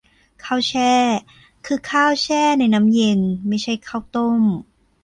ข้าวแช่ คือข้าวแช่ในน้ำเย็น ไม่ใช่ข้าวต้ม